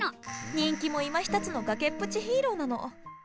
人気もいまひとつの崖っぷちヒーローなの。